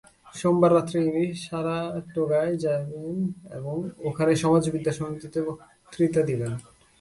সোমবার রাত্রে ইনি সারাটোগায় যাইবেন এবং ওখানে সমাজবিদ্যা সমিতিতে বক্তৃতা দিবেন।